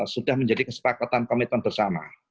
sudah menjadi kesepakatan komitmen bersama